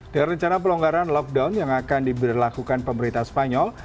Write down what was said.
dengan rencana pelonggaran lockdown yang akan diberlakukan pemerintah spanyol